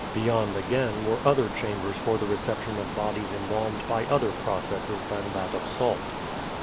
Beyond again were other chambers for the reception of bodies embalmed by other processes than that of salt.